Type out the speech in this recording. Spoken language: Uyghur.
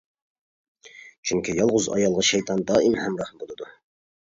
چۈنكى يالغۇز ئايالغا شەيتان دائىم ھەمراھ بولىدۇ.